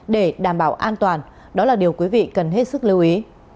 để đảm bảo an toàn đó là điều quý vị cần hết sức lưu ý